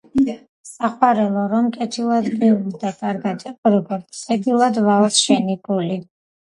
სიყვარულო, რომ კეთილად გევლოს და კარგად იყო, როგორც კეთილად ვალს შენი გული.